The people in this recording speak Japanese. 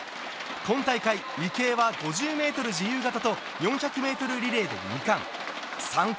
今大会、池江は５０ｍ自由形と４００ｍリレーで２冠。